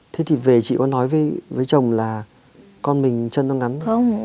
thế thì về chị có nói với chồng là con mình chân nó ngắn không